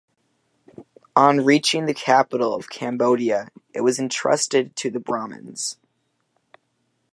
On reaching the capital of Cambodia it was entrusted to the Brahmans.